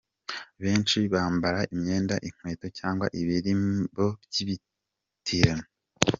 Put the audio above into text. Benshi bambara imyenda, inkweto cyangwa ibirimbo by’ibitirano.